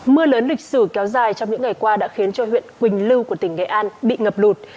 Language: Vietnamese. mưa lớn lịch sử kéo dài trong những ngày qua đã khiến cho huyện quỳnh lưu của tỉnh nghệ an bị ngập lụt